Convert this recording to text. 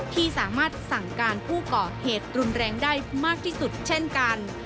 ที่สามารถสั่งการผู้ก่อเหตุรุนแรงได้มากที่สุดเช่นกัน